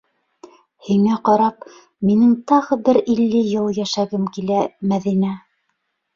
Һиңә ҡарап, минең тағы бер илле йыл йәшәгем килә, Мәҙинә!